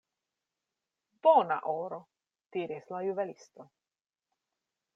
Bona oro, diris la juvelisto.